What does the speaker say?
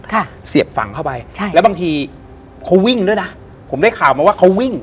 เสียบฝั่งเข้าไปใช่แล้วบางทีเขาวิ่งด้วยนะผมได้ข่าวมาว่าเขาวิ่ง